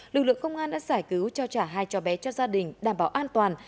lực lượng công an đã giải cứu cho trả hai trò bé cho gia đình đảm bảo an toàn